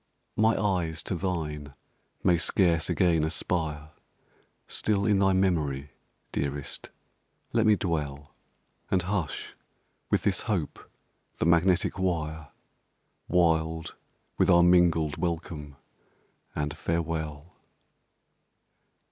My eyes to thine may scarce again aspire Still in thy memory, dearest let me dwell, And hush, with this hope, the magnetic wire, Wild with our mingled welcome and farewell!